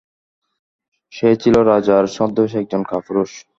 সে ছিল রাজার ছদ্মবেশে একজন কাপুরুষ।